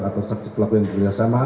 atau saksi pelaku yang berjelas sama